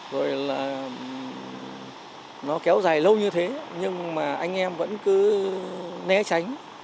rồi là nó kéo dài lâu như thế nhưng mà anh em vẫn cứ né tránh